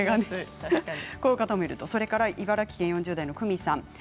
それから茨城県４０代の方です。